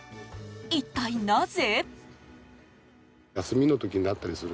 一体、なぜ？